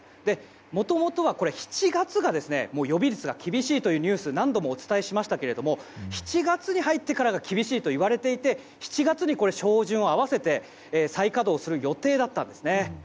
もともとは７月が予備率が厳しいというニュースを何度もお伝えしましたが７月に入ってからが厳しいといわれていて７月に照準を合わせて再稼働する予定だったんですね。